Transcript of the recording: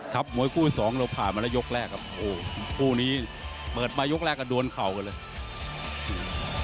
มวยคู่ที่สองเราผ่านมาแล้วยกแรกครับโอ้โหคู่นี้เปิดมายกแรกก็ดวนเข่ากันเลย